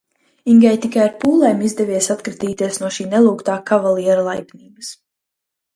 Ingai tikai ar pūlēm izdevies atkratīties no šī nelūgtā kavaliera laipnības.